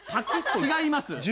違います。